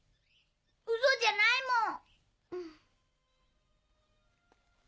ウソじゃないもん。